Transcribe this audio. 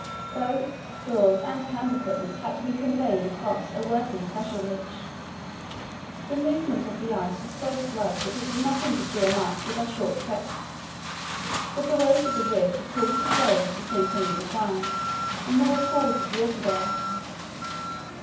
Boats, stores, and camp equipment had to be conveyed across a working pressure ridge. The movement of the ice was so slow that it did not interfere much with our short trek, but the weight of the ridge had caused the floes to sink on either side and there were pools of water there.